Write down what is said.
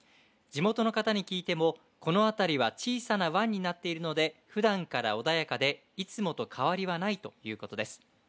地元の方に聞いてもこの辺りは小さな湾になっているのでふだんから穏やかでいつもと変わりはないということです。